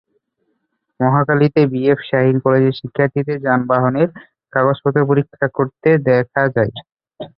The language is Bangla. মহাখালীতে বিএএফ শাহীন কলেজের শিক্ষার্থীদের যানবাহনের কাগজপত্র পরীক্ষা করতে দেখা যায়।